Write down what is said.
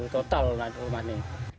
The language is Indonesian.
total rumah ini